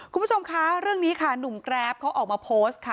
คุณผู้ชมคะเรื่องนี้ค่ะหนุ่มแกรปเขาออกมาโพสต์ค่ะ